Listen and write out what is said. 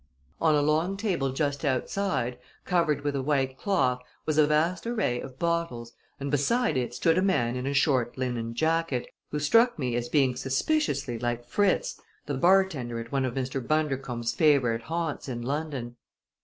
On a long table just outside, covered with a white cloth, was a vast array of bottles and beside it stood a man in a short linen jacket, who struck me as being suspiciously like Fritz, the bartender at one of Mr. Bundercombe's favorite haunts in London.